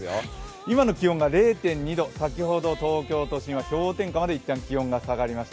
今の気温が０．２度、先ほど東京都心は氷点下までいったん気温が下がりマスタ。